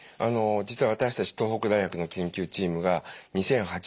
実は私たち東北大学の研究チームが２００８年前後にですね